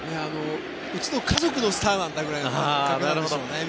うちの家族のスターなんだくらいの感じでしょうね。